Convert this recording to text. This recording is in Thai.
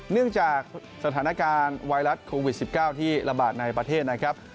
เนื่องจากสถานการณ์ไวรัสโควิด๑๙ที่ระบาดในประเทศนะครับ